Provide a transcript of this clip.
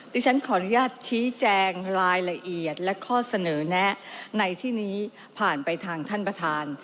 ดิฉันขออนุญาตชี้แจงรายละเอียดและข้อเสนอแนะในที่นี้ผ่านไปทางท่านประธาน